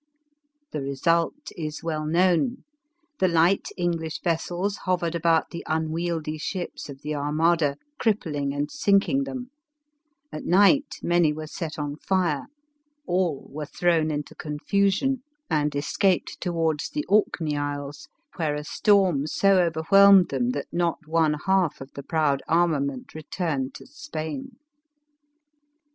The result is well known. The light English ves sels hovered about the unwieldy ships of the armada, crippling and sinking them ; at night many were set on fire ; all were thrown into confusion and escaped 316 ELIZABETH OF ENGLAND. towards the Orkney isles, where a storm so over whelmed them that not oiie half of the proud arma ment returned to Spain.